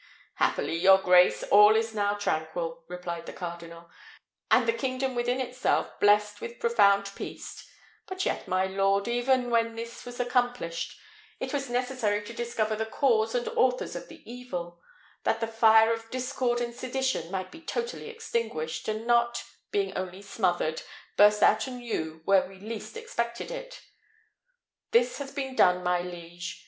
"Happily, your grace, all is now tranquil," replied the cardinal, "and the kingdom within itself blessed with profound peace; but yet, my lord, even when this was accomplished, it was necessary to discover the cause and authors of the evil, that the fire of discord and sedition might be totally extinguished, and not, being only smothered, burst out anew where we least expected it. This has been done, my liege.